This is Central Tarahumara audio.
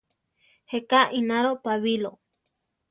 Jéka ináro Pabilo.